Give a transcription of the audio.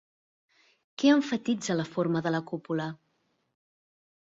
Què emfatitza la forma de la cúpula?